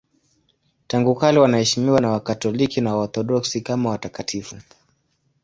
Tangu kale wanaheshimiwa na Wakatoliki na Waorthodoksi kama watakatifu.